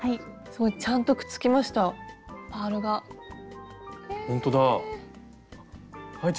すごいちゃんとくっつきましたパールが。え。